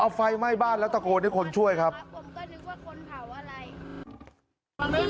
เอาไฟไหม้บ้านแล้วตะโกนให้คนช่วยครับผมก็นึกว่าคนเผาอะไร